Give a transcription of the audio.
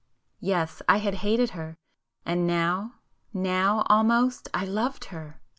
Yes—I had hated her,——and now——now, almost I loved her!